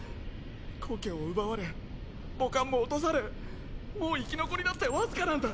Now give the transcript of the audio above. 故郷を奪われ母艦も落とされもう生き残りだって僅かなんだ。